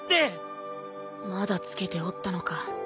まだつけておったのか。